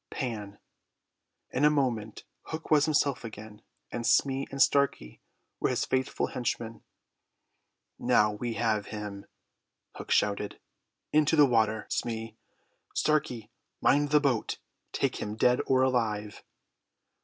Pan! In a moment Hook was himself again, and Smee and Starkey were his faithful henchmen. "Now we have him," Hook shouted. "Into the water, Smee. Starkey, mind the boat. Take him dead or alive!"